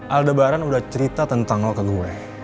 aldebaran udah cerita tentang lo ke gue